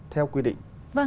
theo quy định